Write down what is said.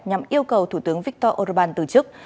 nhằm yêu cầu thủ tướng viktor orban từ chức